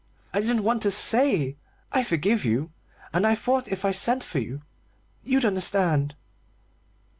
I didn't want to say 'I forgive you,' and I thought if I sent for you you'd understand."